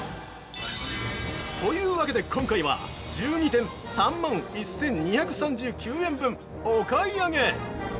◆というわけで、今回は１２点、３万１２３９円分お買い上げ！